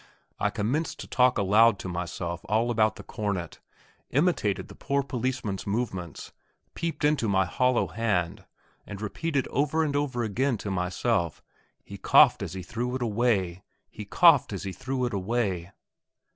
I commenced to talk aloud to myself all about the cornet, imitated the poor policeman's movements, peeped into my hollow hand, and repeated over and over again to myself, "He coughed as he threw it away he coughed as he threw it away."